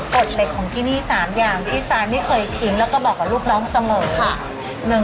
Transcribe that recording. กฎเหล็กของที่นี่๓อย่างที่ซายไม่เคยทิ้งแล้วก็บอกกับลูกน้องเสมอค่ะ